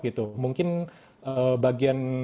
gitu mungkin bagian